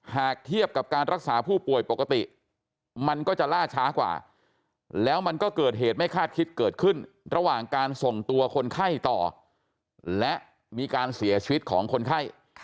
หากเทียบกับการรักษาผู้ป่วยปกติมันก็จะล่าช้ากว่าแล้วมันก็เกิดเหตุไม่คาดคิดเกิดขึ้นระหว่างการส่งตัวคนไข้ต่อและมีการเสียชีวิตของคนไข้